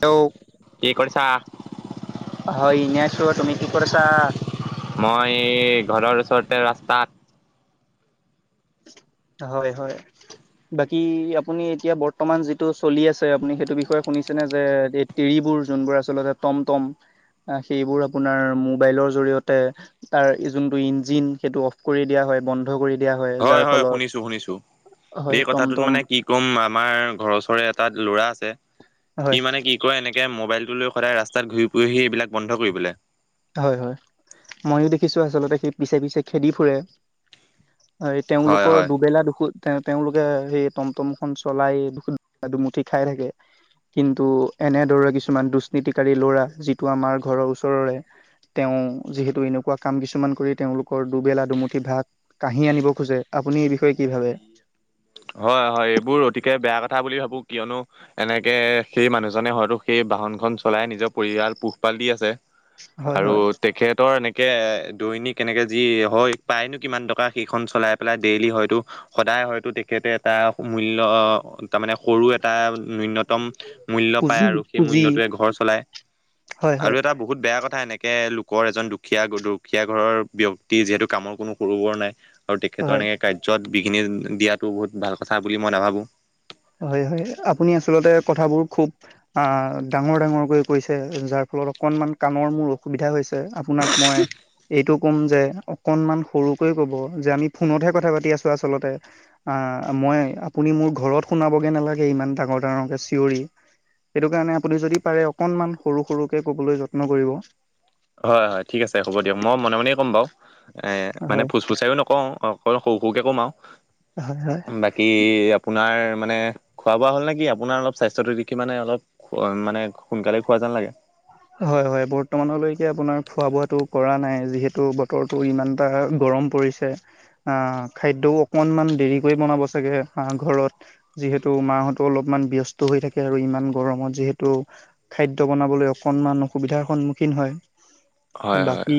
Hello কি কৰিছা? হয় ইনে আছোঁ তুমি কি কৰিচা। মই ঘৰৰ ওচৰতে ৰাস্তাত- হয় হয় বাকী আপুনি এতিয়া বৰ্তমান যিটো চলি আছে আপুনি সেইটো বিষয়ে শুনিছেনে যে এই তিৰিবোৰ- যোনবোৰ আচলতে টম টম- সেইবোৰ আপোনাৰ মোবাইলৰ জৰিয়তে তাৰ যোনটো ইঞ্জিন সেইটো অফ কৰি দিয়া হয় বন্ধ বন্ধ কৰি দিয়া হয় যাৰ ফলত- শুনিছো শুনিছো হয় সেই কথাটোত টমটম মানে কি ক'ম আমাৰ ঘৰৰওচৰৰে এটা ল'ৰা আছে। সি হয় মানে কি কয় এনেকে মোবাইলটো লৈ- সদায় ৰাস্তাত ঘূৰি ফুৰেহি এইবিলাক বন্ধ কৰিবলে। হয় হয় ময়ো দেখিছো আছ- স পিচে পিচে খেদি ফুৰে হয় তেওঁলোকৰ হয়। দুবেলা দুখ তেওঁলোকে সেই টমটমখন চলাই দু দুমুঠি খাই থাকে কিন্তু এনেদৰে কিছুমান দুশনীতিকাৰী ল'ৰা যিটো আমাৰ ঘৰৰ ওচৰৰে- তেওঁ যিহেতো এনেকৱা কাম কিছুমান কৰি তেওঁলোকৰ দুবেলা দুমুঠি ভাগ- কাহি আনিব খোজে আপুনি এই বিষয়ে কি ভাবে- হয় হয় এইবোৰ অতিকে বেয়া। ক কথা বুলি ভাবো কিয়নো এনেকে সেই মানুহজনে হয়তো সেই বাহনখন চলাই নিজৰ পৰিয়াল পোহপাল- দি আছে হয় আৰু হয় তেখেতৰ এনে কে দৈনিক এনেকে যি হয় পায়নো কিমান টকা সেইখন চলাই পেলাই ডেইলি হয়তো সদায় হয়তো তেখেতে এটা মূল্য তাৰ মানে সৰু এটা ন্যূনতম মূল্য পায় পুঁজি আৰু সেই পুঁজি মূল্যটোৱে ঘৰ চলাই হয় আৰু হয় এটা বহুত বেয়া কথা এনেকে- বৰ এজন দুখীয়া দুখীয়া ঘৰৰ ব্যক্তি যিহেতু কামৰ কোনো সৰু বৰ নাই। আৰু হয় তেখেতৰ এনেকে কাৰ্যত বিঘিনি দিয়াত বহুত ভাল কথা বুলি মই নাভাবো- হয় হয় আপুনি আচলতে কথাবোৰ খুব আহ ডাঙৰ ডাঙৰকৈ কৈছে যাৰ। ফ- লত অকণমান কাণৰ মোৰ অসুবিধা হৈছে আপোনাক মই এইটো- কম যে অকনমান সৰুকৈ কব যে আমি ফোনতহে পাতি আছো আচলতে আ- মই আপুনি মোৰ ঘৰত শুনাবগে নালাগে ইমান ডাঙৰ ডাঙৰকে চিঞৰি- সেইটো কাৰণে আপুনি যদি পাৰে অকনমান সৰু সৰুকে কবলৈ যত্ন কৰিব। হয় হয় ঠিক আছে হ'ব দিয়ক মই মনে মনে ক'ম বাও এ মানে হয় ফোচ ফুচাইও নকও অকল সৰু সৰুকে কম আও- হয় বাকী আপোনাৰ মানে খোৱা বোৱা হ'ল নে কি আপোনাৰ অলপ- স্বাস্থ্যটো দেখি মানে অলপ মানে সোনকালে খোৱা যেন লাগে হয় হয় বৰ্তমানলৈকে আপোনাৰ খোৱা বোৱাটো কৰা নাই যিহেতু বতৰতো ইমানটা গৰ- ম পৰিছে আ খাদ্যও অকনমান দেৰিকৈ বনাব ছাগে অ ঘৰত যি- যিহেতু মাহতো অলপমান ব্যস্ত হৈ থাকে আৰু ইমান গৰমত যিহেতু খাদ্য বনাবলৈ অ- কনমান অসুবিধাৰ সন্মুখীন হয় হয় হয়। বাকী।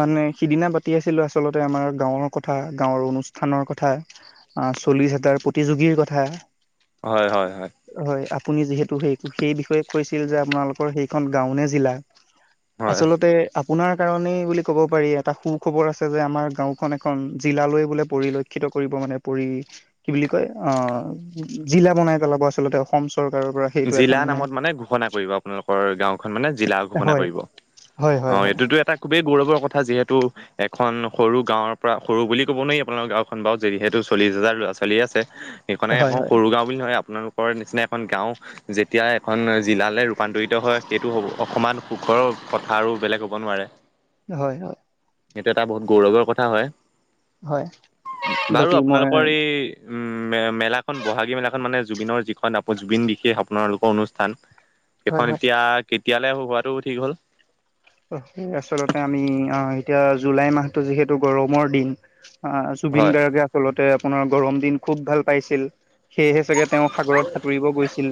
মানে সিদিনা পাতি আছিলো আচলতে আমাৰ গাঁৱৰ কথা গাঁৱৰ অনুষ্ঠানৰ কথা। চল্লিশ হাজাৰ প্ৰতিযোগীৰ কথা। হয় হয় হয় হয় আপুনি যিহেতু সেই সেই বিষয়ে কৈছিল যে আপোনালোকৰ সেইখন গাঁওনে জিলা হয়। আচলতে আপোনাৰ কাৰণেই বুলি ক'ব পাৰি এটা সুখবৰ আছে যে আমাৰ গাঁওখন এখন জিলালৈ বোলে পৰিলক্ষিত কৰিব মানে কৰি কি বুলি কয় অ জিলা বনাই পেলাব আচলতে অসম চ জিলা নামত মানে ঘোষণা কৰিব। আপোনালোকৰ গাওখন মানে জিলা ঘোষণা হয় কৰিব হয় অ হয় হয় এইটোতো এটা খুবেই গৌৰৱৰ কথা যি হেতু এখন সৰু গাঁওৰ পৰা সৰু বুলি ক'ব নোৱাৰি আপোনালোকৰ গাওখন বাও যিহেতু চল্লিশ হাজাৰ ল'ৰা ছোৱালী আছে সেইকাৰণে হয় আকৌ হয় সৰু গাও বুলি নহয় আপোনালোকৰ নিচিনা এখন গাও যেতিয়া এখন জিলালে ৰূপান্তৰিত হয় সেইটো সমান সুখৰ কথা আৰু বেলেগ হ'ব নোৱাৰে হয় হয়। সেইটো এটা বহুত গৌৰৱৰ কথা হয় হয় বাৰু বাকী মই আপোনালোকৰ এই উম মে মেলাখন বহাগী মেলাখন মানে জুবিনৰ যিখন আ জুবিন বিশেষ আপোনালোকৰ অনুষ্ঠান হয় সেইখন হয় এতিয়া কেতিয়ালৈ হোৱাটো ঠিক হ'ল আচলতে আমি আহ এতিয়া জুলাই মাহটো যিহেতু গৰমৰ দিন অ জুবিন হয় গাৰ্গে আচল তে আপোনাৰ গৰম দিন খুব ভাল পাইছিল। সেয়েহে চাগে তেওঁ সাগৰত সাঁতুৰিব গৈছিল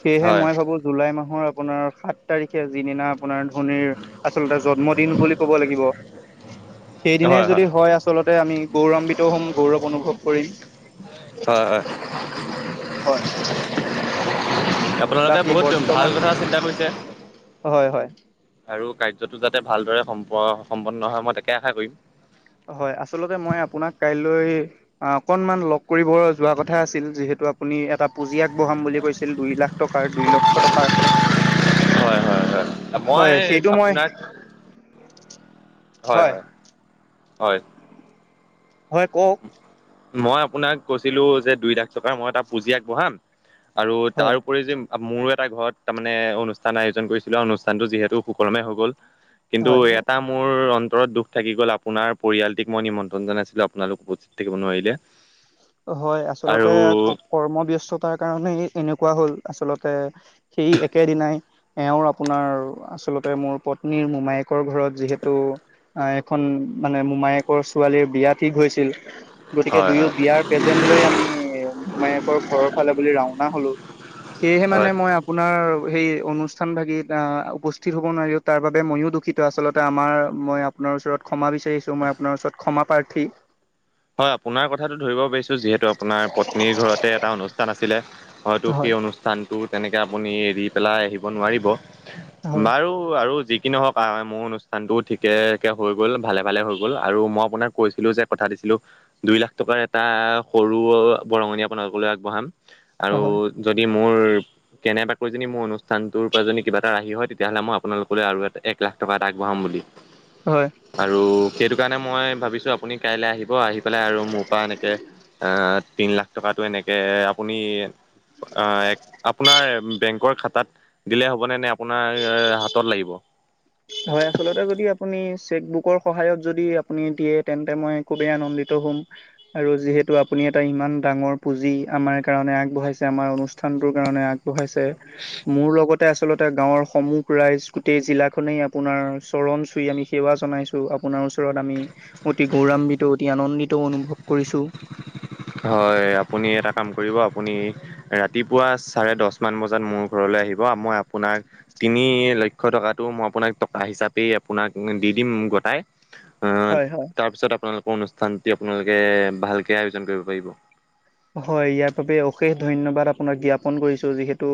সেয়েহে হয় মই ভাবো জুলাই মাহৰ আপোনাৰ সাত তাৰিখে যিদিনা আপোনাৰ ভনিৰ আচলতে জন্মদিন বুলি ক'ব লাগিব। সেইদিনাই যদি হয় আচলতে আমি গৌৰান্বিতও হ'ম গৌৰৱ অনুভৱ কৰিম হয় হয়। হয় আপোনালোকে বাকী বহুত ভাল বৰ্তমান কথা চিন্তা কৰিছে। হয় হয় আৰু কাৰ্যটো যাতে ভালদৰে সম্প সম্পন্ন হয় মই তাকে আশা কৰিম হয় আচলতে মই আপোনাক কাইলৈ অকনমান লগ কৰিব যোৱা কথা আছিল যিহেতু আপুনি এটা পুঁজি আগবঢ়াম বুলি কৈছিল দুই লাখ টকাৰ দুই লক্ষ টকাৰ হয় হয় হয় মই হয় সেইটো মই আপোনাক হয় হয় হয়। হয় কওক মই আপোনাক কৈছিলো যে দুই লাখ টকা মই এ তটা পুঁজি আগবঢ়াম আৰু হয় তাৰ উপৰি যে মোৰটা এটা ঘৰত তাৰমানে অনুষ্ঠান আয়োজন কৰিছিলো আৰু অনুষ্ঠানটো যিহেতু সুকলমে হৈ গ'ল কিন্তু হয় এটা মোৰ অন্তৰত দুখ থাকি গ'ল আপোনাৰ পৰিয়ালটিক মই নিমন্ত্ৰণ জনাইছিলো আ আপোনালোক উপস্থিত থাকিব নোৱাৰিলে হয় আৰু আচলতে কৰ্মব্যস্ততাৰ কাৰণে এনেকুৱা হ'ল আচলতে সেই একেদিনাই এওঁৰ আপোনাৰ আচলতে মোৰ ওপৰত পত্নীৰ মোমায়েকৰ ঘৰত যিহেতু অ এখন মানে মোমায়েকৰ ছোৱালীৰ বিয়া ঠিকহৈছিল চিল গতিকে হয় দুয়ো বিয়াৰ প্ৰেজেণ্ট লৈ আমি মোমায়েকৰ ঘৰৰ ফালে বুলি ৰাওনা হলো। সেয়েহে হয় মানে মই আপোনাৰ সেই অনুষ্ঠান ভাগ উপস্থিত হ'ব নোৱাৰি তাৰ বাবে ময়ো দুখিত আচলতে আমাৰ মই আপোনাৰ ওচৰত ক্ষমা বিচাৰিছো মই আপোনাৰ ওচৰত ক্ষমা প্ৰাৰ্থী হয় আপোনাৰ কথাটো ধৰিব পাৰিছো যিহেতু আপোনাৰ পত্নীৰ ঘৰতে এটা অনুষ্ঠান আছিলে। হয়তো সেই হয় অনুষ্ঠানটো তেনেকে আপুনি এৰি পেলাই আহিব নোৱাৰিব। হয় বাৰু আৰু যি কি নহওক মোৰ অনুষ্ঠানটো ঠিকেকৈ হৈ গ'ল ভালে ভালে হৈ গ'ল আৰু মই আপোনাক কৈছিলোঁ যে কথা দিছিলোঁ। দুই লাখ টকাৰ এটা সৰু বৰঙণি আপোনালোকলৈ আগবঢ়াম আৰু হয় যদি [inaudible] কেনেবাকৈ যদি মোৰ অনুষ্ঠানটোৰ পৰা যদি কিবা এটা ৰাহি হয় তেতিয়াহ'লে মই আপোনালোকলৈ আৰু এটা এক লাখ টকা এটা আগবঢ়াম বুলি হয় আৰু সেইটো কাৰণে মই ভাবিছো আপুনি কাই আহিব। হ ব আহি পেলাই আৰু মোৰ পৰা এনেকে তিন লাখ টকাটো এনেকে আপুনি অ আপোনাৰ বেংক খাতাত দিলে হ'ব নে নে আপোনাৰ হাতত লাগিব হয় আচলতে যদি আপুনি চেকবুক সহায়ত যদি আপুনি দিয়ে তেন্তে মই খুবেই আনন্দিত হ'ম আৰু যিহেতু আপুনি এটা ইমান ইমান ডাঙৰ পুঁজি আমাৰ কাৰণে আগবঢ়াইছে আমাৰ অনুষ্ঠানটোৰ কাৰণে আগব আগবঢ়াইছে মোৰ লগতে আচলতে গাঁৱৰ সমুহ ৰাইজ গোটেই জিলা খনে আপোনাৰ চৰণ চুই আমি সেৱা জনাইছো আপোনাৰ ওচৰত আমি অতি গৌৰাান্বিত অতি আনন্দিত অনুভৱ কৰিছো হয় আপুনি এটা কাম কৰিব আপুনি ৰাতিপুৱা চাৰে দহ মান বজাত মোৰ ঘ লৈ‌ আহিব মই আপোনাক তিনি লক্ষ্য টকাটো মই আপোনাক টকা হিচাপেই আপোনাক দি দিম গ হয় হয়। তাৰপিছত আপোনালোকৰ অনুষ্ঠান আপোনালোকে ভালকে আয়োজন কৰিব কৰিবৈব হয় ইয়াৰ বাবে অশেষ ধন্যবাদ আপোনাক জ্ঞাপন কৰিছো যিহেতু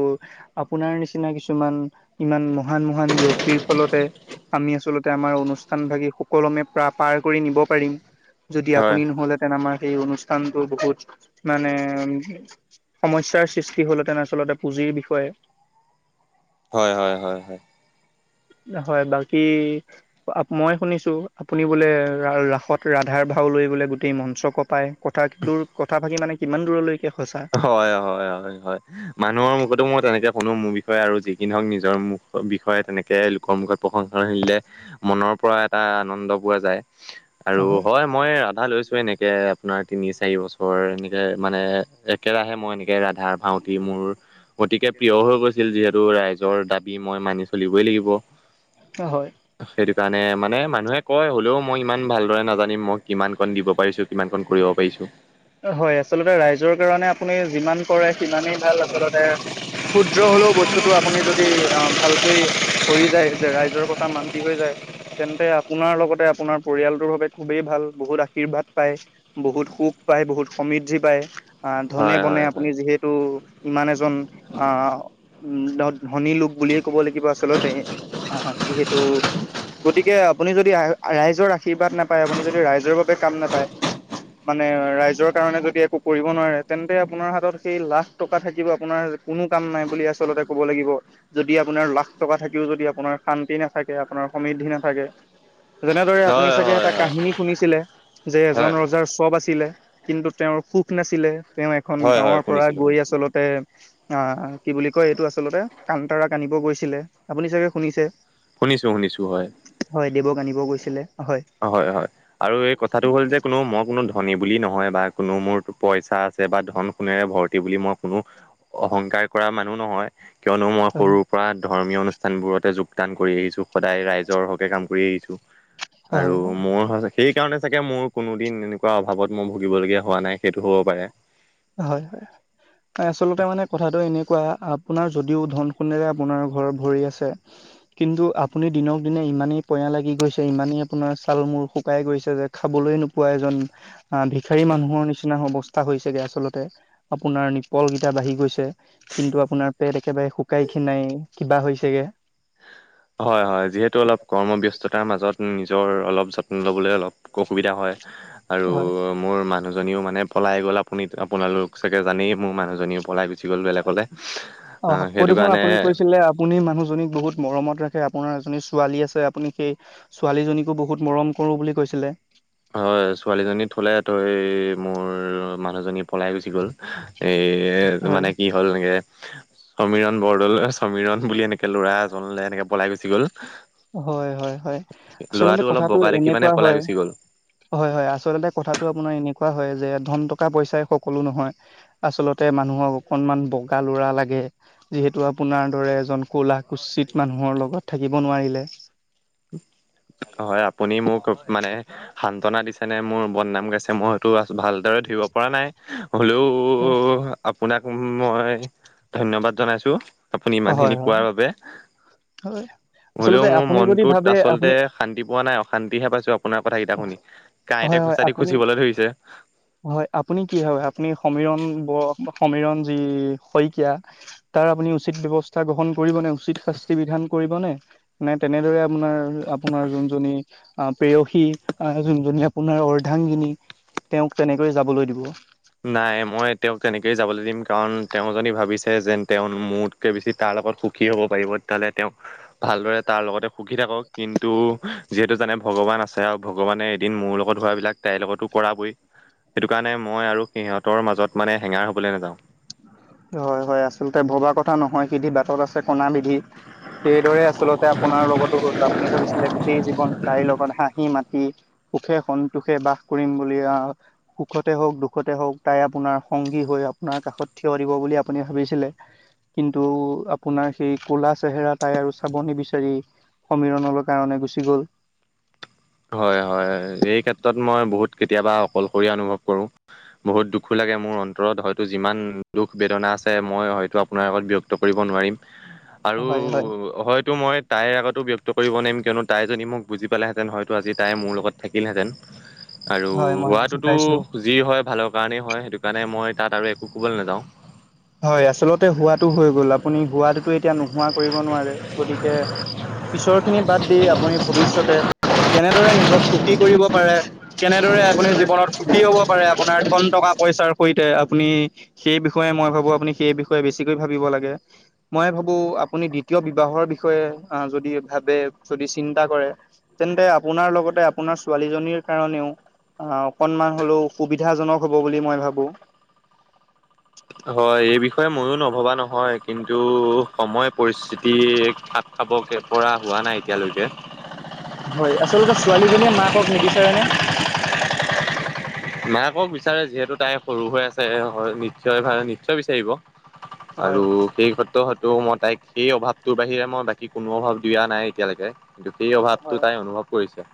আপোনাৰ নিচিনা কিছু ইমান ইমান মহান মহান ব্যক্তিৰ ফলতে আমি আচলতে আমাৰ অনুষ্ঠান ভাগি সুকলমে প্ৰ পাৰ কৰি নিব পাৰিম যদি হয় আপুনি নহ'লেহেঁতেন আমাৰ সেই অনুষ্ঠানটো বহুত মানে উ সমস্যয়াৰ সৃষ্টি হ'ল হেতেনে আচলতে পুঁজিৰ বিষয়ে [unintelligible] হয় হয় হয় হয় হয় বাকী মই শুনিছো আপুনি বোলে ৰাসত ৰাধাৰ ভাও লৈ বোলে গোটেই মঞ্চ কপাই কথা দূৰ কথা ভাকি মানে কিমান দূৰলৈ হয় হয় হয় হয় মানুহৰ মুখতো মই তেনেকে কোনো মোৰ বিষয়ে আৰু যিকিন নহওক নিজৰ মুখ বিষয়ে তেনেকে লোকৰ মুখত প্ৰশংসানিলে মনৰ পৰা এটা আনন্দ পোৱা যায় আৰু হয় মই দা লৈছো এনেকে আপোনাৰ তিনি চাৰি বছৰ এনেকে মানে একেৰাহে মই এনেকে ৰা তাৰ ভাওঁতি মোৰ গতিকে প্ৰিয় হৈ গৈছিল যিহেতু ৰাইজৰ দাবী মই মানি চলিবই লাগিব। হয়। জানে মানে মানুহে কয় হ'লেও মই ইমান ভালদৰে নাজানিম মই কিমান কণ দিব পাৰিছো কিমান কণ কৰিব পাৰিছো। হয় আচলতে ৰাইজৰ কাৰণে আপুনি যিমান কৰে সিমানেই ভাল আচলতে। ক্ষুদ্ৰ হলেও বস্তুটো আপুনি যদি আহ ভালকৈ কৰি যায় যে ৰাইজৰ কথা মান্তি হৈ যায়। তেন্তে আপোনাৰ লগতে আপোনাৰ পৰিয়ালটোৰ বাবে খুবেই ভাল। বহুত আশীৰ্বাদ পায় বহুত সুখ পায় বহুত সমৃদ্ধি পায়। ধনে হয় বনে হয় হয় আপুনি যিহেতু ইমান এজন, আ উম্ ধত ধনী লোক বুলিয়ে ক'ব লাগিব আচলতে। আহ যিহেতু গতিকে আপুনি যদি ৰাইজৰ আশীৰ্বাদ নাপায় আপুনি যদি ৰাইজৰ বাবে কাম নাপায় মানে ৰাইজৰ কাৰণে যদি একো কৰিব নোৱাৰে, তেন্তে আপোনাৰ হাতত সেই লাখ টকা থাকিব আপোনাৰ কোনো কাম নাই। আচলতে ক'ব লাগিব। যদি আপোনাৰ লাখ টকা থাকিও যদি আপোনাৰ শান্তি নাথাকে আপোনাৰ সমৃদ্ধি নাথাকে যেনেদৰে আপুনি হয় চাগে হয় এটা কাহিনী শুনিছিলে যে, এজন হয় হয় ৰজাৰ চব আছিলে কিন্তু তেওঁৰ সুখ নাছিলে। তেওঁ এখন হয় হয় গাঁৱৰ পৰা শুনিছিলো গৈ শুনিছিলো আচলতে আহ অ কি বুলি কয় এইটো আচলতে কাণ্টাৰাক আনিব গৈছিলে আপুনি চাগে শুনিছে। শুনিছো শুনিছো হয় হয় দেৱক আনিব গৈছিলে। হয় হয় আৰু এই কথাটো হ'ল যে কোনো মই কোনো ধ ধনী বুলি নহয় বা কোনো মোৰ পইচা আছে বা ধন সোনেৰে ভৰ্তি বুলি মই কোনো অহংকাৰ কৰা মানুহ নহয় কিয়নো মই হয় সৰুৰ পৰা ধৰ্মীয় অনুষ্ঠানবোৰতে যোগদান কৰি আহিছো সদায় ৰাইজৰ হকে কাম কৰি আহিছো। আৰু হয় হয় মোৰ সচ সেইকাৰণে চাগে মোৰ কোনোদিন এনেকুৱা অভাৱত মই ভুগিবলগীয়া হোৱা নাই সেইটো হ'ব পাৰে। হয় হয়। আচলতে মানে কথাটো এনেকুৱা আপোনাৰ যদিও ধন সোনেৰে আপোনাৰ ঘৰ ভৰি আছে। কিন্তু আপুনি দিনক দিনে ইমানেই পঞা লাগি গৈছে ইমানেই আপোনাৰ চাল মূৰ শুকাই গৈছে যে খাব। লৈ নোপোৱা এজন ভিষাৰী মানুহৰ নিচিনা অৱস্থা হৈছেগে। আচলতে আপোনাৰ নিপল কেইটা বাঢ়ি গৈছে কিন্তু আপোনাৰ পেট একেবাৰে শুকাই খিনাই। কিবা হৈছেগে। হয় হয় যিহেতু অলপ কৰ্মব্যস্ত। তাৰ মাজত নিজৰ অলপ যত্ন লবলে' অলপ অসুবিধা হয় আৰু হয় মোৰ মা। মানুহজনীও মানে পলাই গ'ল আপুনি আপোনালোক চাগে জানেই মোৰ মানুহজনীও পলাই গুচি গ'ল বেলেগলে। অ আহ আকৌ সেইটো দেখোন কাৰণে আপুনি কৈছিলে আপুনি মানুহজনীক বহুত মৰমত ৰাখ। আপোনাৰ এজনী ছোৱালী আছে, আপুনি সেই ছোৱালীজনীকো বহুত মৰম কৰো বুলি কৈছিলে। হয় ছোৱালীজনী থলে তই মোৰ মানুহজনী। পলাই গুচি গ'ল। এই হয় মানে কি হ'ল এনেকে -। - সমীৰণ বৰদলৈ সমীৰণ বুলি এনেকে ল'ৰা এজনলে এনেকে পলাই গুচি গ'ল। হয় হয় হয় আচলতে ল'ৰাটো অলপ কথাটো বগা দেখি মানে এনেকুৱা পলাই হয়। গুচি গ'ল হয় হয় আচলতে কথাতটো আপোনাৰ এনেকুৱা হয় যে ধন টকা পইচাই সকলো নহয়। আচলতে মানুহক অকণমান ব। ডেকা ল'ৰা লাগে যিহেতু আপোনাৰ দৰে এজন ক'লা কুচিত মানুহৰ লগত থাকিব নোৱাৰিলে। [unintelligible] হয় আপুনি মোক মানে সান্তনা দিছে নে মোৰ বদনাম গাইছে মইটো আ ভাল। দৰে ধৰিব পৰা নাই। হ'লেও আপোনাক মই ধন্যবাদ জনাইছো। আপুনি হয়, ইমানখিনি হয়, কোৱাৰ বাবে। হয়, হলেও আচলতে মোৰ আপুনি যদি মনটোত ভাবে আচলতে। আপুনি শান্তি পোৱা নাই অশান্তিহে পাইছো আপোনাৰ কথা কেইটা শুনি। কাঁইতে হয়, খোচ হয়, আপুনি খুচিবলে ধৰিছে। হয় আপুনি কি হয়? আপুনি সমীৰন সমৰণ যি শইকীয়া তাৰ আপুনি। উচিত ব্যৱস্থা গ্ৰহণ কৰিব নে? উচিত শাস্তি বিধান কৰিব নে? নে তেনেদৰে আপোনাৰ আপোনাৰ। যোন পেয়সী আহ যোনজনী আপোনাৰ অৰ্ধাংগিনী। তেওঁক তেনেকৈ যাবলৈ দিব। নাই মই তেওঁক তেনেকেই যাবলৈ দিম কাৰণ তেওঁ জনী ভাবিছে যেন তেওঁ মোতকে বেছি তাৰ - লগত সুখী হ'ব পাৰিব তেতিয়াহলে তেওঁ ভালদৰে তাৰ লগতে সুখী থাকক কিন্তু যিহেতু জানে- ভগৱান আছে আৰু ভগৱানে এদিন মোৰ লগত হোৱাবিলাক তাইৰ লগতো কৰাবই সেইটো কাৰণে মই আৰু সিহঁতৰ মাজত মানে হেঙাৰ হ'বলৈ নাযাওঁ। হয় হয় আচলতে ভবা কথা নহয় সিধি বাটত আছে কণা বিধি। সেইদৰে আচলতে আপোনাৰ লগতো হ'ল আপুনি ভাবিছিলে গোটেই জীৱন। তাইৰ লগত হাঁহি মাতি সুখে সন্তোষে বাস কৰিম বুলি আহ সুখতে হওক দুখতে। তে হওক তাই আপোনাৰ সংগী হৈ আপোনাৰ কাষত থিয় দিব বুলি আপুনি ভাবিছিলে। কিন্তু আপোনাৰ সেই কলা চেহেৰা তাই আৰু চাব নিবিচাৰি। সমিৰণলৈ কাৰণে গুচি গ'ল। হয় হয় এই ক্ষেত্ৰত মই বহুত কেতিয়াবা অকলশৰীয়া অনুভৱ কৰো বহুত দুখোলাগে। মোৰ অন্তৰত হয়তো যিমান দুখ বেদনা আছে মই হয়তো আপোনাৰ আগত ব্যক্ত কৰিব নোৱাৰিম। আৰু হয় হয় হয়তো মই তাইৰ আগতো ব্যক্ত কৰিব নোৱাৰিম কিয়নো তাই যদি মোক বুজি পালেহেঁতেন হয়। তো আজি তাই মোৰ লগত থাকিলহেঁতেন আৰু হয় মই বুজি হোৱাটোতো পাইছো যি হয় ভালৰ। কাৰণেই হয় সেইটো কাৰণে মই তাত আৰু একো কবলৈ নাযাওঁ। হয় আচলতে হোৱাটো হৈ গ'ল আপুনি হোৱাটোতো এতিয়া নোহোৱা কৰিব নোৱাৰে গতিকে। পিছৰ খিনি বাদ দি আপুনি ভৱিষ্যতে। কেনেদৰে নিজক সুকী কৰিব পাৰে কেনেদৰে আপুনি। সুখি হব পাৰে আপোনাৰ ধন টকা পইচাৰ সৈতে আপুনি সেই বিষয়ে মই ভ। আপুনি হেই বিষয়ে বেছিকৈ ভাবিব লাগে মই ভাবো আপুনি দ্বিতীয় বিবাহৰ বিষয়ে। যদি ভাবে যদি চিন্তা কৰে। তেন্তে আপোনাৰ লগতে আপোনাৰ ছোৱালীজনীৰ কাৰণেও। আহ অকনমান হলেও সুবিধাজনক হ'ব বুলি মই ভাবো হয় এই বিষয়ে ময়ো নভবা নহয় কিন্তু সময় পৰিস্থিতি- খাব কে পৰা হোৱা নাই এতিয়ালৈকে- হয় আচলতে ছোৱালীজনীয়ে মাকক নিবিচাৰে নে? মাকক বিচাৰে যিহেতু তাই সৰু হৈ আছে নিশ্চয় ভ নিশ্চয় বিচাৰিব। আৰু হয়। সেই ক্ষেত্ৰ- ত' মই তাইক সেই অভাৱটোৰ বাহিৰে মই বাকী কোনো অভাৱ দিয়া নাই এতিয়ালৈকে- কিন্তু সেই হয় অভাৱটো তাই অনুভৱ কৰিছে।